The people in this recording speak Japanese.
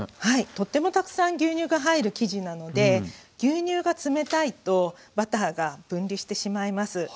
はいとってもたくさん牛乳が入る生地なので牛乳が冷たいとバターが分離してしまいます。